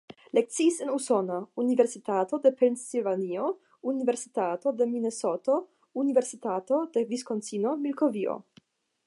Lekciis en Usono: Universitato de Pensilvanio, Universitato de Minesoto, Universitato de Viskonsino-Milvokio.